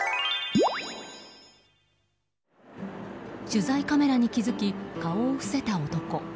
取材カメラに気づき顔を伏せた男。